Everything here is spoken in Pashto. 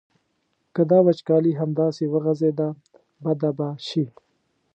که دا وچکالي همداسې وغځېده بده به شي.